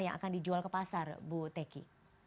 yang akan dijual ke pasar bu teki